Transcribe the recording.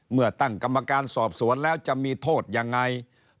เมื่อตั้งกรรมการสอบสวนแล้วจะมีโทษยังไง